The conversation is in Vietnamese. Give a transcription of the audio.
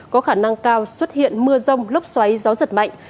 có khả năng cao xuất hiện mưa rông lốc xoáy gió giật mạnh